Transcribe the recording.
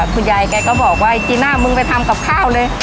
คุณยายแกก็บอกว่าจีน่ามึงไปทำกับข้าวเลย